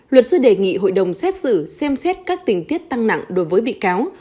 luật sư đề nghị hội đồng xét xử xem xét các tình tiết tăng nặng đối với bị cáo